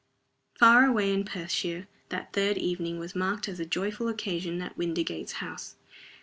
Far away in Perthshire that third evening was marked as a joyful occasion at Windygates House.